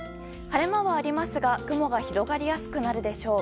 晴れ間はありますが雲が広がりやすくなるでしょう。